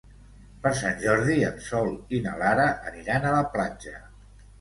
Per Sant Jordi en Sol i na Lara aniran a la platja.